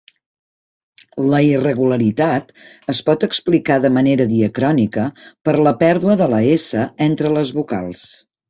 La irregularitat es pot explicar de manera diacrònica per la pèrdua de la "essa" entre les vocals.